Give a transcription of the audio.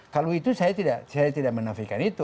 kalau itu saya tidak menafikan itu